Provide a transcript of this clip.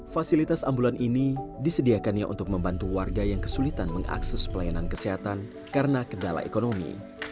fasilitas ambulan ini disediakannya untuk membantu warga yang kesulitan mengakses pelayanan kesehatan karena kendala ekonomi